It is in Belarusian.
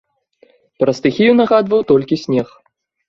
Пра стыхію нагадваў толькі снег.